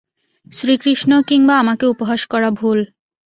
শ্রীকৃষ্ণ কিংবা আমাকে উপহাস করা ভুল।